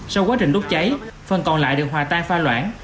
sau quá trình đốt cháy phần còn lại được hòa tan pha loãng